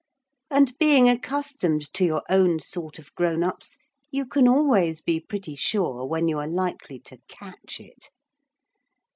And, being accustomed to your own sort of grown ups, you can always be pretty sure when you are likely to catch it.